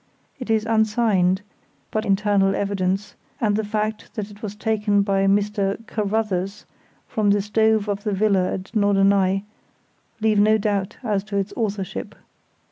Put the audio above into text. It is unsigned, but internal evidence, and the fact that it was taken by Mr "Carruthers" from the stove of the villa at Norderney, leave no doubt as to its authorship.